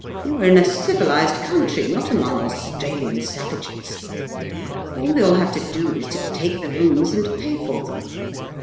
You're in a civilised country, not among Australian savages. All you'll have to do is to take the rooms and pay for them.